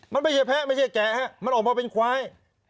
มันไม่ใช่แพ้ไม่ใช่แกะฮะมันออกมาเป็นควาย